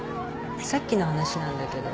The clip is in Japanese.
さっきの話なんだけど。